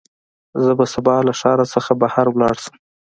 زه به سبا له ښار نه بهر لاړ شم.